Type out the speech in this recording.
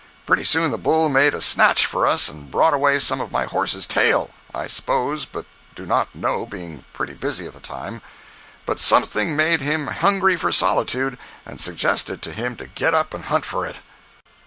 Pretty soon the bull made a snatch for us and brought away some of my horse's tail (I suppose, but do not know, being pretty busy at the time), but something made him hungry for solitude and suggested to him to get up and hunt for it.